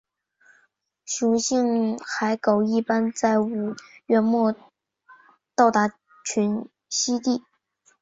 雄性海狗一般在五月末到达群栖地。